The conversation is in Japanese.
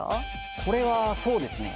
これはそうですね。